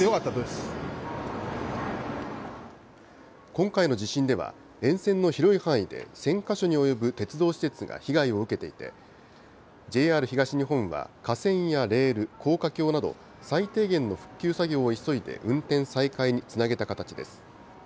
今回の地震では、沿線の広い範囲で１０００か所に及ぶ鉄道施設が被害を受けていて、ＪＲ東日本は、架線やレール、高架橋など、最低限の復旧作業を急いで、運転再開につなげた形です。